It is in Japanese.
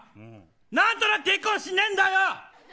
何となく結婚はしねえんだよ。